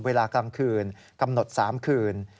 เวลากลางคืนกำหนด๓คืน